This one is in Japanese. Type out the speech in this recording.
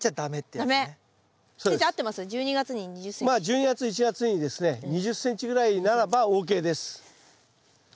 まあ１２月１月にですね２０ｃｍぐらいならばＯＫです。